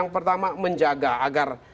pertama menjaga agar